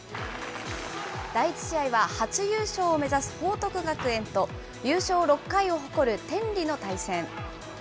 第１試合は初優勝を目指す報徳学園と、優勝６回を誇る天理の対戦。